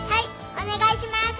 お願いします！